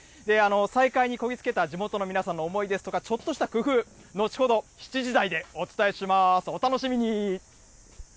再開にこぎつけた地元の皆さんの思いですとか、ちょっとした工夫、後ほど７時台でお伝えします。